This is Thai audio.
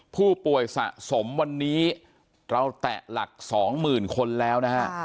ผู้ป่วยสะสมวันนี้เราแตะหลักสองหมื่นคนแล้ว